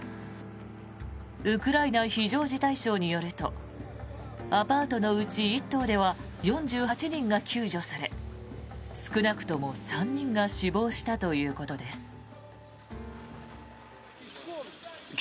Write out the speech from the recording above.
ウクライナ非常事態省によるとアパートのうち１棟では４８人が救助され少なくとも３人が死亡したということです。